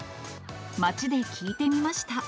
街で聞いてみました。